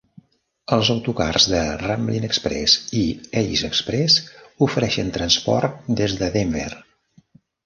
Els autocars de Ramblin Express i Ace Express ofereixen transport des de Denver.